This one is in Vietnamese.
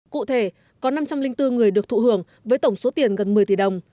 cụ thể có năm trăm linh bốn người được thụ hưởng với tổng số tiền gần một mươi tỷ đồng